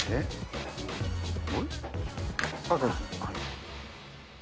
あれ？